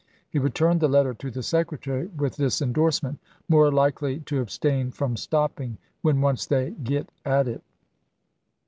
He returned the letter to the Secretary with this indorsement: "More likely to abstain from stopping when once they get at it."